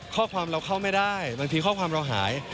ข้อความเราเข้าไม่ได้บางทีข้อความเราหาย